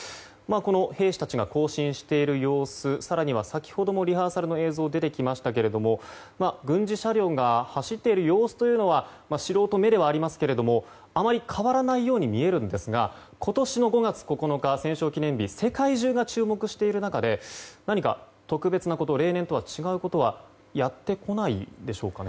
この兵士たちが行進している様子更には先ほどのリハーサルの映像が出てきましたが軍事車両が走っている様子は素人目ですがあまり変わらないように見えるんですが今年の５月９日の戦勝記念日世界中が注目する中で何か例年と違うことはやってこないでしょうか。